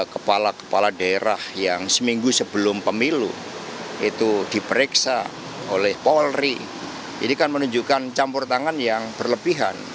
kepala kepala daerah yang seminggu sebelum pemilu itu diperiksa oleh polri ini kan menunjukkan campur tangan yang berlebihan